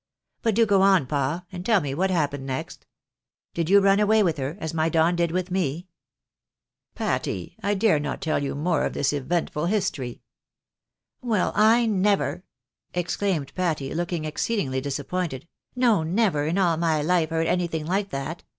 But do go on, pa, and tell me what happened next ? Did you run away with her, as my Don did with me ?"" Patty, I dare not tell you more of this eventful history." "Well I never!" exclaimed Patty, looking exceedingly dis appointed ; "no never in all my life heard anything Hke that.